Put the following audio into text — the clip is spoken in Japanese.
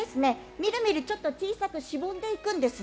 みるみる小さくしぼんでいくんですね。